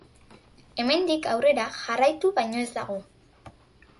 Hemendik, aurrera jarraitu baino ez dago.